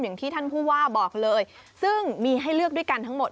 อย่างที่ท่านผู้ว่าบอกเลยซึ่งมีให้เลือกด้วยกันทั้งหมด